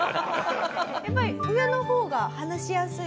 やっぱり上の方が話しやすい？